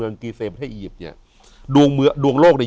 อยู่ที่แม่ศรีวิรัยิลครับ